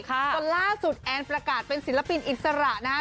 จนล่าสุดแอนประกาศเป็นศิลปินอิสระนะฮะ